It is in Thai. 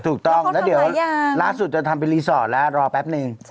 ถูกต้องแล้วเดี๋ยวล่าสุดจะทำเป็นรีสอร์ทแล้วรอแป๊บนึง